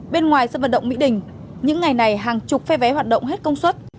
bên ngoài sân vận động mỹ đình những ngày này hàng chục phe vé hoạt động hết công suất